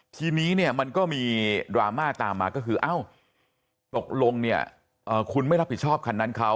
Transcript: ทีนี้เนี่ยมันก็มีดราม่าตามมาก็คือเอ้าตกลงเนี่ยคุณไม่รับผิดชอบคันนั้นเขา